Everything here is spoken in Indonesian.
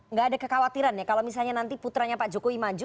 nggak ada kekhawatiran ya kalau misalnya nanti putranya pak jokowi maju